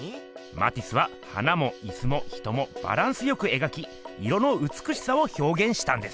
マティスは花もいすも人もバランスよく描き色のうつくしさをひょうげんしたんです。